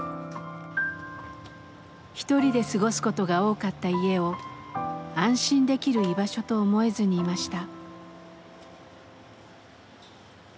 一人で過ごすことが多かった家を安心できる「居場所」と思えずにいました。